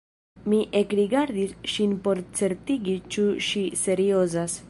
Mi ekrigardis ŝin por certigi ĉu ŝi seriozas.